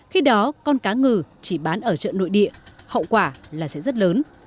khi đó con cá ngừ chỉ bán ở chợ nội địa hậu quả là sẽ rất lớn